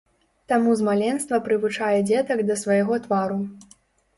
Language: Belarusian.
Таму з маленства прывучае дзетак да свайго твару.